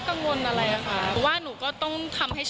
เราก็ใช้ชีวิตของเราไป